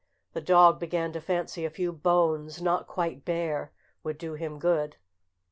The dog began to fancy a few bones, not quite bare, would do him good.